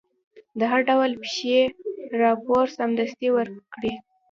د هر ډول پېښې راپور سمدستي ورکړئ.